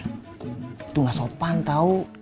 itu nggak sopan tau